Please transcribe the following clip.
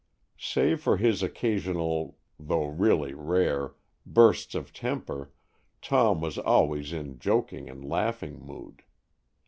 Save for his occasional, though really rare, bursts of temper, Tom was always in joking and laughing mood.